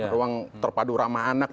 ruang terpadu ramah anak